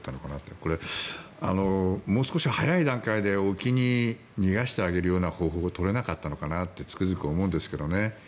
これ、もう少し早い段階で沖に逃がしてあげるような方法を取れなかったのかなってつくづく思うんですけどね。